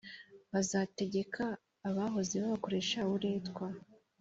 bazategeka abahoze babakoresha uburetwa.